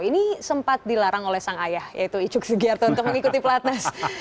ini sempat dilarang oleh sang ayah yaitu icuk sugiarto untuk mengikuti pelatnas